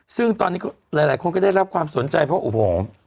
ซึ่งตอนนี้หลายคนก็ได้รับความสนใจเพราะโอ้โห